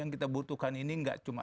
yang kita butuhkan ini gak cuma sepuluh